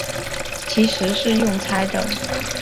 其实是用猜的